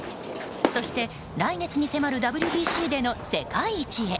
そして来月に迫るＷＢＣでの世界一へ。